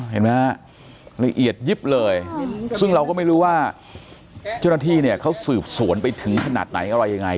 เห็นไหมฮะละเอียดยิบเลยซึ่งเราก็ไม่รู้ว่าเจ้าหน้าที่เนี่ยเขาสืบสวนไปถึงขนาดไหนอะไรยังไง